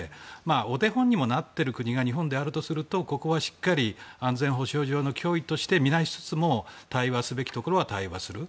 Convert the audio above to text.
お手本にもなっている国が日本だとするとここはしっかり安全保障上の脅威としてみなしつつも対話すべきところは対話する。